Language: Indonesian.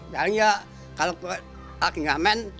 jalan ya kalau aku gak main